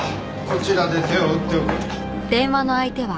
こちらで手を打っておく。